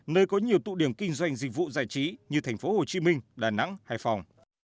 nơi có nhiều tụ điểm kinh doanh dịch vụ giải trí như thành phố hồ chí minh đà nẵng hải phòng